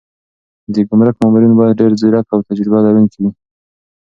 د ګمرک مامورین باید ډېر ځیرک او تجربه لرونکي وي.